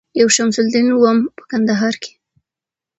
یو شمس الدین وم په کندهار کي